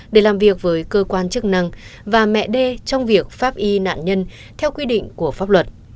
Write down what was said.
để làm việc với cơ quan chức năng và mẹ đê trong việc pháp y nạn nhân theo quy định của pháp luật